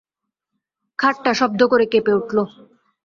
খাটটা শব্দ করে কেঁপে উঠল।